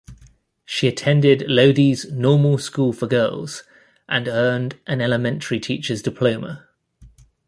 She attended Lodi's Normal School for Girls and earned an elementary teacher's diploma.